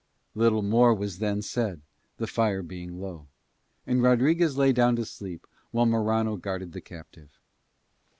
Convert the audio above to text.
Little more was then said, the fire being low: and Rodriguez lay down to sleep while Morano guarded the captive.